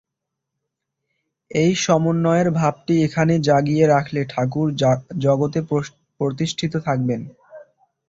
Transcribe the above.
ঐ সমন্বয়ের ভাবটি এখানে জাগিয়ে রাখলে ঠাকুর জগতে প্রতিষ্ঠিত থাকবেন।